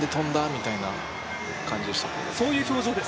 みたいな感じでしたけど。